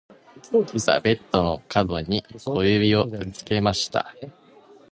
今朝ベッドの角に小指をぶつけました。